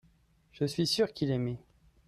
je suis sûr qu'il aimait.